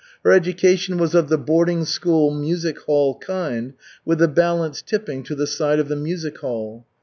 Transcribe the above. Her education was of the boarding school, music hall kind, with the balance tipping to the side of the music hall.